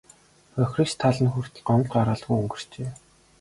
Хохирогч тал нь хүртэл гомдол гаргалгүй өнгөрчээ.